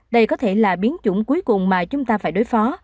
đây có thể là biến chủng cuối cùng mà chúng ta phải đối phó